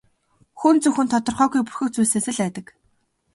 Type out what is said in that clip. Хүн зөвхөн тодорхойгүй бүрхэг зүйлсээс л айдаг.